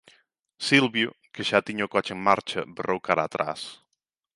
Silvio, que xa tiña o coche en marcha, berrou cara atrás: